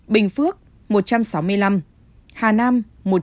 bình phước một trăm sáu mươi năm